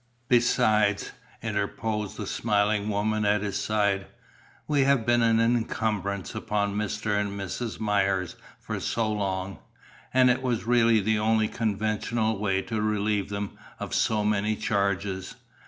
"Besides," interposed the smiling woman at his side, "we have been an encumbrance upon Mr. and Mrs. Myers for so long and it was really the only conventional way to relieve them of so many charges.